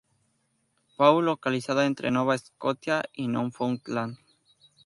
Paul, localizada entre Nova Scotia y Newfoundland.